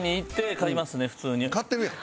買ってるやん。